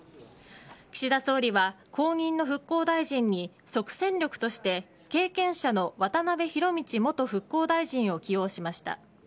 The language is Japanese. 岸田総理は、後任の復興大臣に即戦力として経験者の渡辺博道元復興大臣を起用しました。